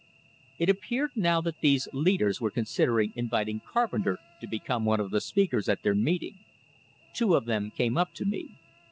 It appeared now that these leaders were considering inviting Carpenter to become one of the speakers at their meeting. Two of them came up to me.